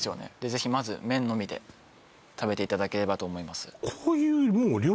ぜひまず麺のみで食べていただければと思います